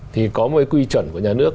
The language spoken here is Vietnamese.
thì có một cái quy chuẩn của nhà nước